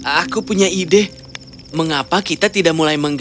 aku punya ide mengapa kita tidak mulai mencari air